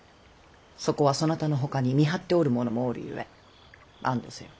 そこはそなたのほかに見張っておるものもおるゆえ安堵せよ。